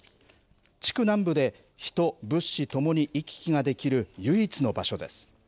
地区南部で人、物資ともに行き来ができる唯一の場所です。